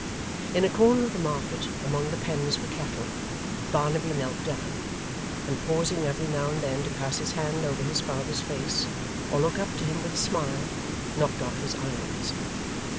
In a corner of the market among the pens for cattle, Barnaby knelt down, and pausing every now and then to pass his hand over his father's face, or look up to him with a smile, knocked off his irons.